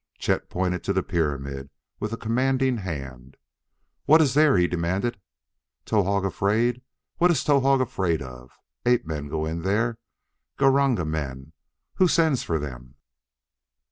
Chet pointed to the pyramid with a commanding hand. "What is there?" he demanded. "Towahg afraid! What is Towahg afraid of? Ape men go in there Gr r ranga men; who sends for them?"